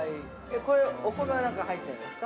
これ、お米が中に入っているんですか。